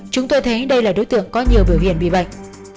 chúng tôi thấy đây là đối tượng có nhiều biểu hiện bị bệnh